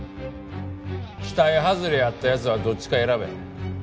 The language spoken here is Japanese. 期待外れやった奴はどっちか選べ。